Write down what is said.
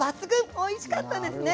おいしかったですね！